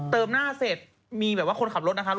หน้าเสร็จมีแบบว่าคนขับรถนะคะ